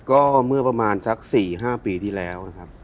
ก็เมื่อประมาณจากสี่ห้าปีที่แล้วครับ